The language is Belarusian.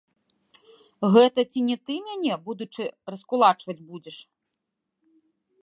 Гэта ці не ты мяне, будучы, раскулачваць будзеш?